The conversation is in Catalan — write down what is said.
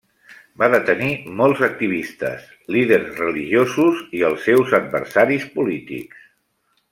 Va detenir molts activistes, líders religiosos, i els seus adversaris polítics.